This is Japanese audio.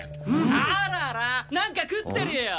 あららなんか食ってるよ！